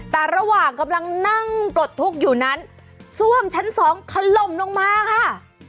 แต่ระหว่างกำลังนั่งปลดทุกข์อยู่นั้นซ่วมชั้นสองถล่มลงมาค่ะ